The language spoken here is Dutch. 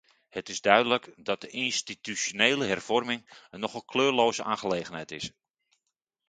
Het is duidelijk dat de institutionele hervorming een nogal kleurloze aangelegenheid is.